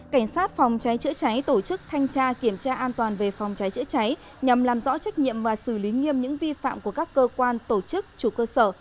cảnh sát phòng cháy chữa cháy tổ chức thanh tra kiểm tra an toàn về phòng cháy chữa cháy nhằm làm rõ trách nhiệm và xử lý nghiêm những vi phạm của các cơ quan tổ chức chủ cơ sở